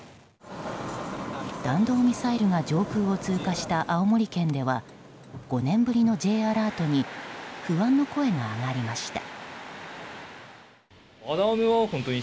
弾道ミサイルが上空を通過した青森県では５年ぶりのＪアラートに不安の声が上がりました。